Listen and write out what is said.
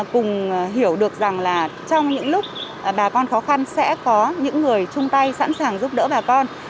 cùng hiểu được rằng là trong những lúc bà con khó khăn sẽ có những người chung tay sẵn sàng giúp đỡ bà con